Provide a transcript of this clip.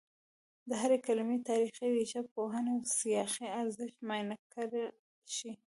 د هرې کلمې تاریخي، ریښه پوهني او سیاقي ارزښت معاینه کړل شي